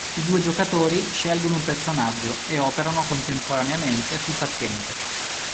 I due giocatori scelgono un personaggio e operano contemporaneamente sul paziente.